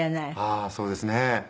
ああそうですね。